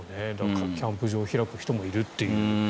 キャンプ場を開く人もいるという。